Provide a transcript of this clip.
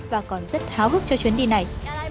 và còn rất háo hức cho chuyến đi này